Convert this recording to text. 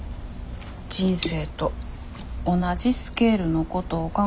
人生と同じスケールのこと考えてるんですよ。